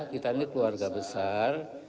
kita ini keluarga besar